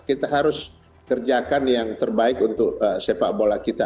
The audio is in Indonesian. kita harus kerjakan yang terbaik untuk sepak bola kita